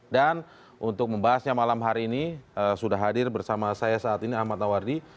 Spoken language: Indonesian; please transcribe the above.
dan untuk membahasnya malam hari ini sudah hadir bersama saya saat ini ahmad nawardi